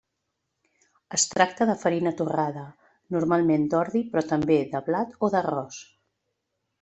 Es tracta de farina torrada, normalment d'ordi però també de blat o d'arròs.